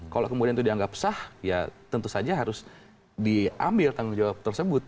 kalau kemudian itu dianggap sah ya tentu saja harus diambil tanggung jawab tersebut